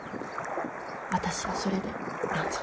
私はそれで満足。